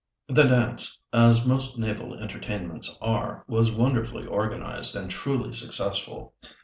The dance, as most naval entertainments are, was wonderfully organised, and truly successful.